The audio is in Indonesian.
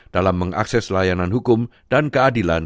dalam mengakses layanan hukum dan keadilan